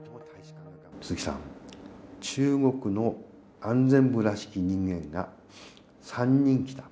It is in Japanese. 鈴木さん、中国の安全部らしき人間が３人来た。